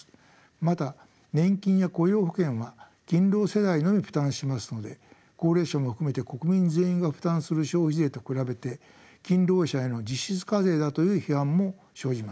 また年金や雇用保険は勤労世代のみ負担しますので高齢者も含めて国民全員が負担する消費税と比べて勤労者への実質課税だという批判も生じます。